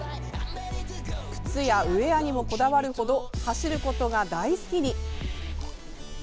靴やウエアにもこだわるほど走ることが大好きに。